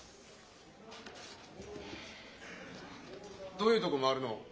どういうとこ回るの？